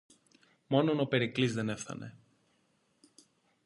Μόνον ο Περικλής δεν έφθανε.